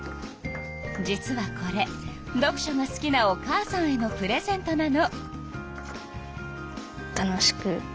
実はこれ読書が好きなお母さんへのプレゼントなの。